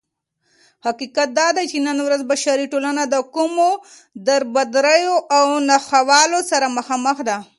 حقيقت دادى چې نن ورځ بشري ټولنه دكومو دربدريو او ناخوالو سره مخامخ ده